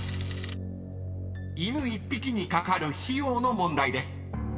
［犬１匹にかかる費用の問題です］